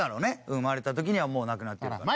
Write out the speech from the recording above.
生まれた時にはもう亡くなってるから。